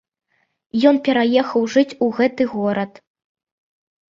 Ён пераехаў жыць у гэты горад.